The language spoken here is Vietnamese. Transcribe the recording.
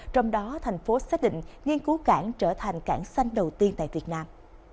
trong đó thành phố xác định nghiên cứu cảng trở thành cảng xanh đầu tiên tại việt nam